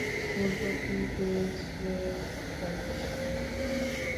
উল্টো কি পেয়েছে, জানিস?